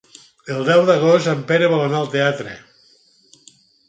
El deu d'agost en Pere vol anar al teatre.